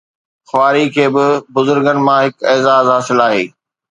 خواري کي به بزرگن مان هڪ اعزاز حاصل آهي